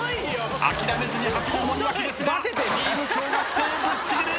諦めずに走る森脇ですがチーム小学生ぶっちぎり！